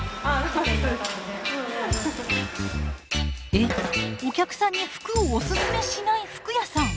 えお客さんに服をオススメしない服屋さん！